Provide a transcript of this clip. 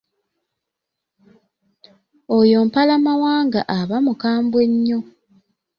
Oyo Mpalamawanga aba mukambwe nnyo.